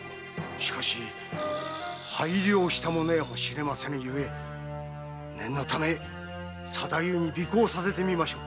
しかし拝領したものやもしれませぬゆえ念のため左太夫に尾行させてみましょう。